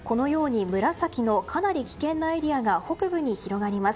紫のかなり危険なエリアが北部に広がります。